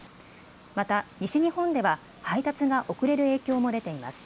また西日本では配達が遅れる影響も出ています。